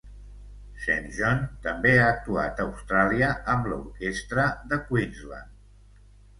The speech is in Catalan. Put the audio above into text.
Saint John també ha actuat a Austràlia amb l'orquestra de Queensland.